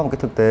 một thực tế